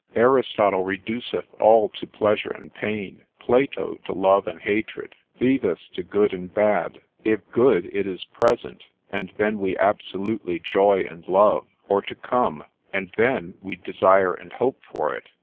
Aristotle reduceth all to pleasure and pain, Plato to love and hatred, Vives to good and bad. If good, it is present, and then we absolutely joy and love; or to come, and then we desire and hope for it.